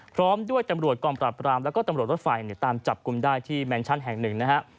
พร้อมด้วยตำรวจกองปราบรามแล้วก็ตำรวจรถไฟตามจับกลุ่มได้ที่แมนชั่นแห่งหนึ่งนะฮะ